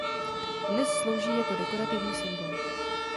Dnes slouží jako dekorativní symbol.